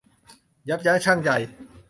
ยับยั้งชั่งใจ